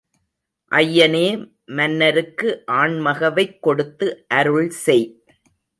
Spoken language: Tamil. ஐயனே மன்னருக்கு ஆண்மகவைக் கொடுத்து அருள்செய்.